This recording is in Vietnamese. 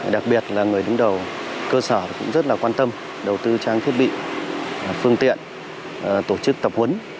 đặc biệt là người đứng đầu cơ sở cũng rất là quan tâm đầu tư trang thiết bị phương tiện tổ chức tập huấn